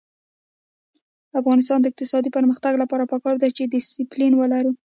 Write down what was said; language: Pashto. د افغانستان د اقتصادي پرمختګ لپاره پکار ده چې دسپلین ولرو.